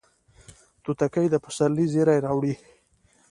توتکۍ د پسرلي زیری راوړي